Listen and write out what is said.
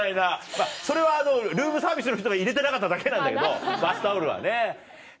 まぁそれはルームサービスの人が入れてなかっただけなんだけどバスタオルはね。